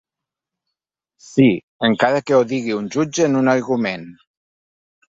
Sí, encara que ho digui un jutge en un argument!